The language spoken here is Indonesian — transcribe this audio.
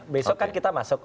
besok kan kita masuk